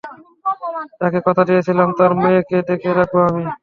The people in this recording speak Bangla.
তাকে কথা দিয়েছিলাম, তার মেয়েকে দেখে রাখবো আমি।